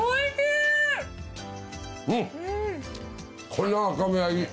この赤身はいい！